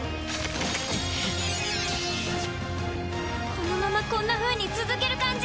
このままこんなふうに続ける感じ？